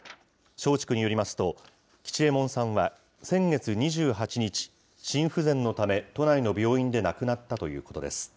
松竹によりますと、吉右衛門さんは先月２８日、心不全のため、都内の病院で亡くなったということです。